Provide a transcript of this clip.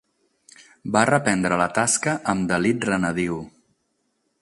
Va reprendre la tasca amb delit renadiu.